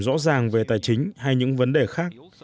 rõ ràng về tài chính hay những vấn đề khác